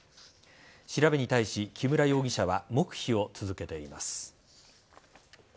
調べに対し木村容疑者は黙秘を続けています。